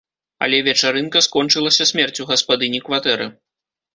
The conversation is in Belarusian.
Але вечарынка скончылася смерцю гаспадыні кватэры.